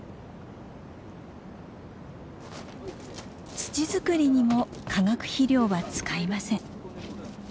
土作りにも化学肥料は使いません。